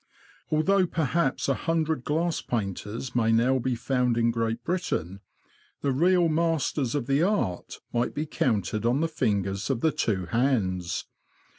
Although perhaps a hundred glass painters may now be found in Great Britain, the real masters of the art might be counted on the lingers of the two hands.